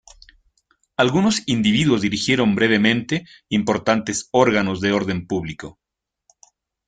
Algunos individuos dirigieron brevemente importantes órganos de orden público.